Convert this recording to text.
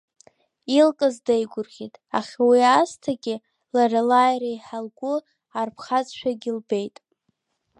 Илкыз деигәырӷьеит, аха уи аасҭагьы, лара лааира еиҳа лгәы арԥхазшәагьы лбеит.